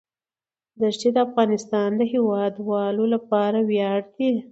دښتې د افغانستان د هیوادوالو لپاره ویاړ دی.